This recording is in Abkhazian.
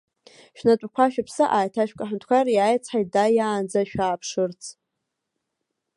Шәнатәақәа, шәыԥсы ааиҭашәк, аҳәынҭқар иааицҳаит дааиаанӡа шәааԥшырц.